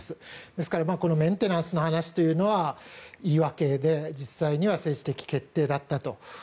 ですからメンテナンスの話というのは言い訳で実際には政治的決定だったと。